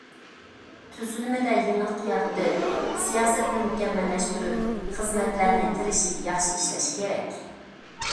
تۈزۈلمىدە يېڭىلىق يارىتىپ، سىياسەتنى مۇكەممەللەشتۈرۈپ، خىزمەتلەرنى تىرىشىپ ياخشى ئىشلەش كېرەك.